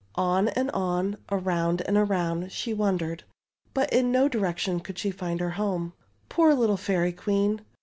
On and on, around and around, she wan dered, but in no direction could she find her home. Poor little Fairy Queen!